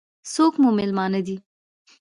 څوک مو مېلمانه دي؟